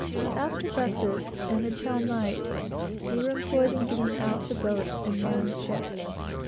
After breakfast, and until night, we were employed in getting out the boats and mooring ship.